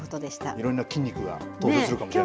いろんな菌肉が登場するかもしれない。